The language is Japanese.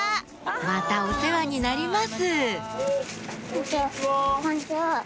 またお世話になります○△□×☆